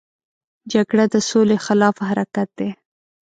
جګړه د سولې خلاف حرکت دی